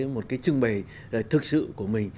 một cái trưng bày thực sự của mình